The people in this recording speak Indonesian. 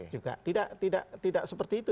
juga tidak seperti itu